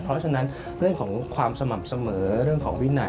เพราะฉะนั้นเรื่องของความสม่ำเสมอเรื่องของวินัย